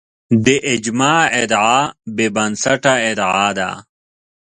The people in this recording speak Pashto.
د اجماع ادعا بې بنسټه ادعا ده